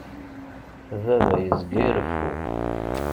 Baba yezga ireffu.